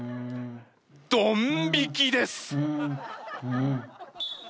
ドン引きです！